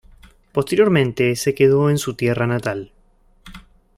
Posteriormente se quedó en su tierra natal.